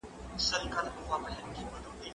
زه اوږده وخت مړۍ خورم،